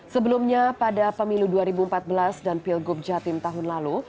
sebelumnya pada pemilu dua ribu empat belas dan pilgub jatim tahun lalu